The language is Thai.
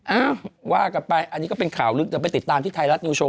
อ้าวว่ากันไปอันนี้ก็เป็นข่าวลึกเดี๋ยวไปติดตามที่ไทยรัฐนิวโชว